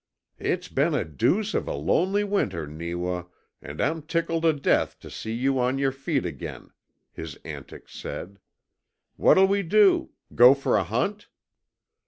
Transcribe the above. "It's been a deuce of a lonely winter, Neewa, and I'm tickled to death to see you on your feet again," his antics said. "What'll we do? Go for a hunt?"